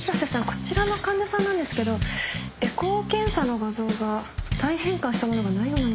こちらの患者さんなんですけどエコー検査の画像が体位変換したものがないようなのですが。